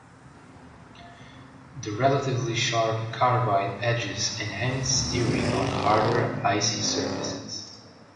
The relatively sharp carbide edges enhance steering on harder icy surfaces.